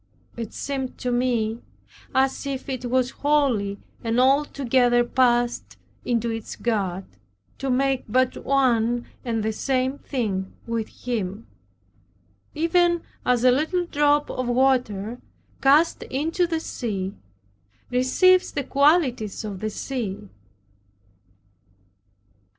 It seemed to me, as if it was wholly and altogether passed into its God, to make but one and the same thing with Him; even as a little drop of water, cast into the sea, receives the qualities of the sea.